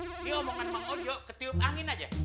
ini omongan pang ojo ketiup angin aja